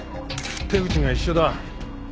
手口が一緒だ。